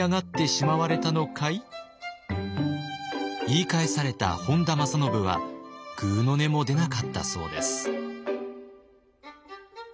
言い返された本多正信はぐうの音も出なかったそうです。